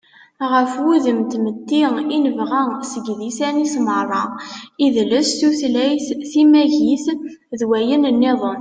ɣef wudem n tmetti i nebɣa seg yidisan-is meṛṛa: idles, tutlayt, timagit, d wayen-nniḍen